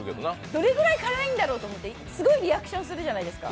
どれぐらい辛いんだろうと思って、すごいリアクションするじゃないですか。